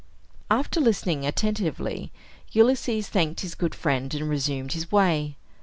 After listening attentively, Ulysses thanked his good friend, and resumed his way.